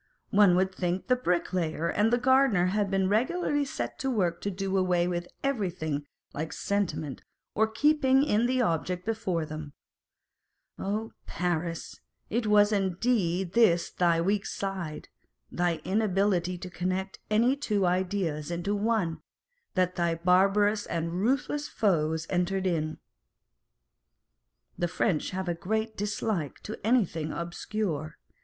One would think the bricklayer and gardener had been regularly set to work to do away every 4G8 Madame Pasta and Mademoiselle Mars. thing like sentiment or keeping in the object before them. Oh, Paris! it was indeed on this thy weak side (thy inability to connect any two ideas into one) that thy barbarous and ruthless foes entered in ! The French have a great dislike to anything obscure.